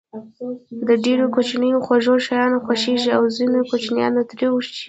د ډېرو کوچنيانو خواږه شيان خوښېږي او د ځينو کوچنيانو تريؤ شی.